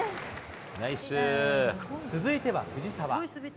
続いては藤澤。